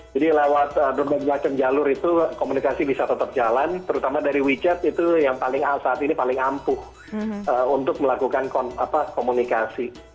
jadi lewat berbagai macam jalur itu komunikasi bisa tetap jalan terutama dari wechat itu yang saat ini paling ampuh untuk melakukan komunikasi